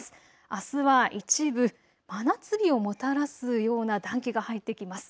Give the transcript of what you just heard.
あすは一部、真夏日をもたらすような暖気が入ってきます。